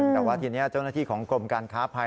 แต่ว่าทีนี้เจ้าหน้าที่ของกรมการค้าภัย